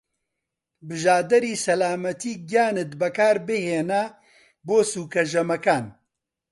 بژادەری سەلامەتی گیانت بەکاربهێنە بۆ سوکە ژەمەکان.